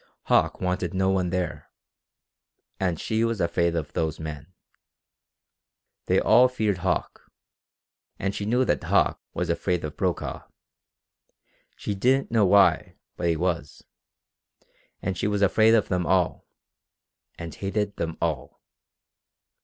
Hauck wanted no one there. And she was afraid of those men. They all feared Hauck, and she knew that Hauck was afraid of Brokaw. She didn't know why, but he was. And she was afraid of them all, and hated them all.